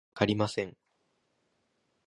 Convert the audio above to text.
意味がわかりません。